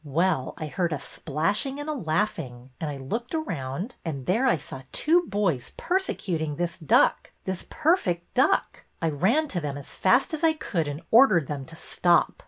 Well, I heard a splashing and a laughing and I looked around, and there I saw two boys persecuting this duck, this per fect duck. I ran to them as fast as I could and ordered them to stop.